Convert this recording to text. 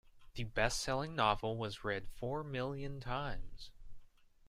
The bestselling novel was read four million times.